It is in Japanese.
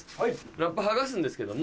ラップ剥がすんですけども。